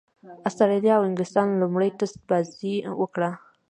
اسټراليا او انګليستان لومړۍ ټېسټ بازي وکړه.